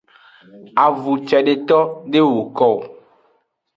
Avun cedeto de woko o.